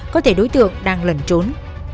có thể đối tượng đang lẩn trốn